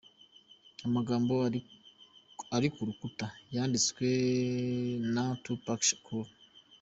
Amagambo ari kuruta yanditswe na Tupac Shakur.